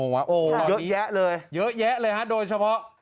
โอ้โหเยอะแยะเลยเยอะแยะเลยฮะโดยเฉพาะ